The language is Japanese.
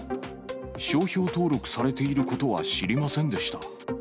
商標登録されていることは知りませんでした。